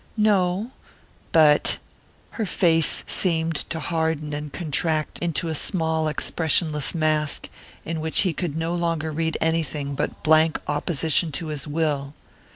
"No; but " Her face seemed to harden and contract into a small expressionless mask, in which he could no longer read anything but blank opposition to his will.